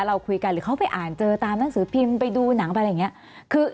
เราคุยกันหรือเขาไปอ่านเจอตามหนังสือพิมพ์ไปดูหนังอะไรอย่างนี้